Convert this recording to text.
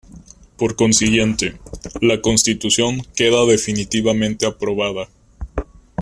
Por consiguiente, la Constitución queda definitivamente aprobada".